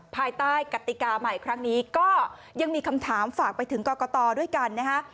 ภายใต้กติกาใหม่ครั้งนี้ก็ยังมีคำถามฝากไปถึงกรกตด้วยกันนะฮะ